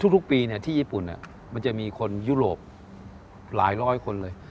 ทุกปีที่ญี่ปุ่นมันจะมีคนยุโรปหลายร้อยคนเลย